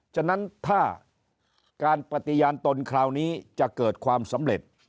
ฉะนั้นถ้าการปฏิญาณตนคราวนี้จะเกิดความสำเร็จ